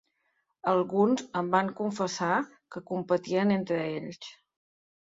Alguns em van confessar que competien entre ells.